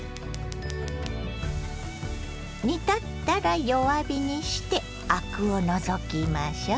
煮立ったら弱火にしてアクを除きましょう。